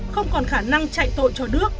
không còn khả năng chạy tội cho đức